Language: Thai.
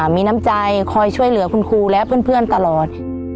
มีน้ำใจคอยช่วยเหลือคุณครูและเพื่อนตลอด